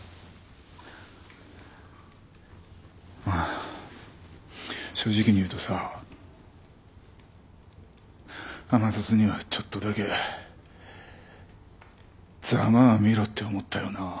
まあ正直に言うとさ天達にはちょっとだけざまあみろって思ったよな。